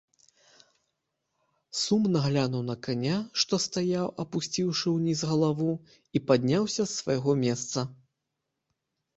Сумна глянуў на каня, што стаяў, апусціўшы ўніз галаву, і падняўся з свайго месца.